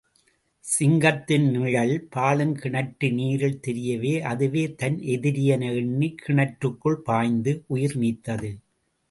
சிங்கத்தின் நிழல் பாழுங்கிணற்று நீரில் தெரியவே, அதுவே தன் எதிரி என எண்ணிக் கிணற்றுக்குள் பாய்ந்து உயிர் நீத்தது.